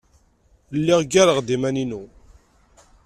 Lliɣ ggareɣ-d iman-inu.